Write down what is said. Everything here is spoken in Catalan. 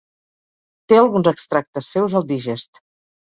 Té alguns extractes seus al Digest.